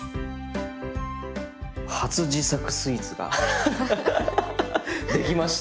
初自作スイーツができました。